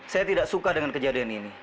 saya tidak suka dengan kejadian ini